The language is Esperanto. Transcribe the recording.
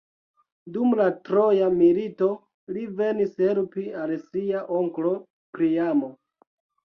Dum la Troja milito li venis helpi al sia onklo Priamo.